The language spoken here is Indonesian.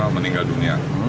lima meninggal dunia